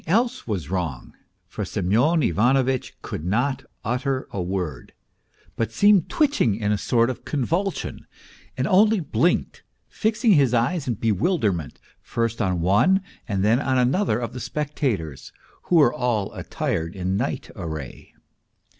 PROHARTCHIN 269 else was wrong, for Semyon Ivanovitch could not utter a word, but seemed twitching in a sort of convulsion, and only blinked, fixing his eyes in bewilderment first on one and then on another of the spectators, who were all attired in night array.